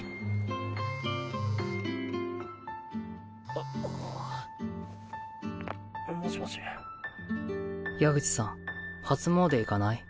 タッ矢口さん初詣行かない？